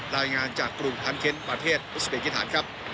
รายงานจากกรุงทางเช็ดประเทศอุตสาธิตฐานครับ